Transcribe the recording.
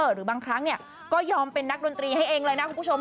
หรือบางครั้งก็ยอมเป็นนักดนตรีให้เองเลยนะคุณผู้ชม